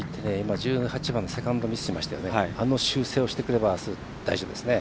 １８番のセカンドミスしましたからあの修正をしてくればあす、大丈夫ですね。